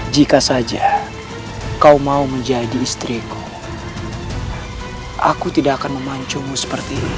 jika saja kau mau menjadi istriku aku tidak akan memancingmu seperti ini